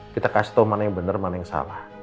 kita kasih tau mana yang bener mana yang salah